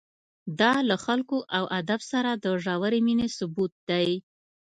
دا له خلکو او ادب سره د ژورې مینې ثبوت دی.